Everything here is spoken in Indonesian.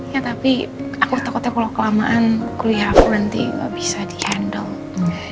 ya tapi aku takutnya kalau kelamaan kuliah aku nanti gak bisa di handle